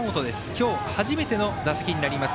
今日、初めての打席になります。